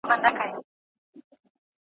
یوازې د بشریت حماقت نه بدلیږي.